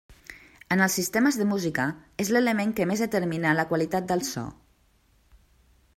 En els sistemes de música és l'element que més determina la qualitat del so.